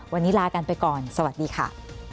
วันนี้ลากันไปก่อนสวัสดีค่ะ